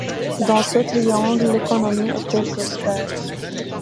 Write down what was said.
Dans ce triangle, l'économie était prospère.